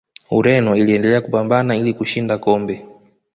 ureno iliendelea kupambana ili kushinda kombe